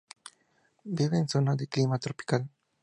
Vive en zonas de clima tropical.